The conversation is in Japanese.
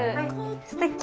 すてき。